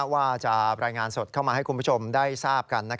ว่าจะรายงานสดเข้ามาให้คุณผู้ชมได้ทราบกัน